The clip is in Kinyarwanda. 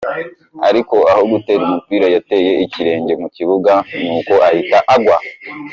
Ariko aho gutera umupira, yateye ikirenge mu kibuga nuko ahita agwa.